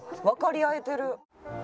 わかり合えてる。